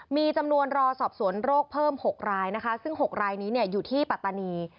มีจำนวนรอสอบสวนโรคเพิ่ม๖รายนะคะซึ่ง๖รายนี้อยู่ที่ปัตตานี